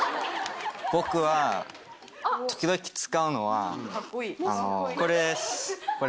僕は時々使うのはこれです。